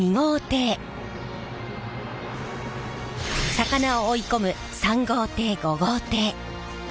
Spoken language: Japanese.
魚を追い込む３号艇５号艇。